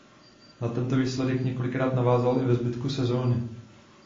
Na tento výsledek několikrát navázal i ve zbytku sezony.